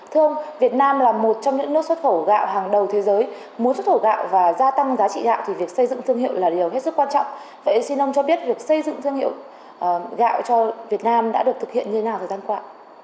thưa ông việt nam là một trong những nước xuất khẩu gạo hàng đầu thế giới muốn xuất khẩu gạo và gia tăng giá trị gạo thì việc xây dựng thương hiệu là điều hết sức quan trọng vậy xin ông cho biết việc xây dựng thương hiệu gạo cho việt nam đã được thực hiện như nào thời gian qua